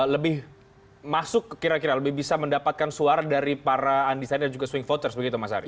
lebih masuk kira kira lebih bisa mendapatkan suara dari para undecided dan juga swing voters begitu mas ari